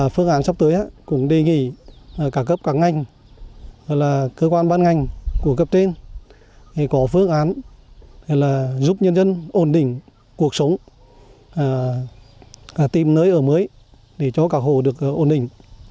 phương án sắp tới cũng đề nghị cả cấp cả ngành cơ quan bán ngành của cấp trên có phương án giúp nhân dân ổn định cuộc sống tìm nơi ở mới để cho cả hồ được ổn định